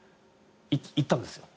行ったんですよ。